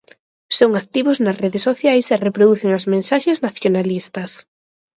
Son activos nas redes sociais e reproducen as mensaxes nacionalistas.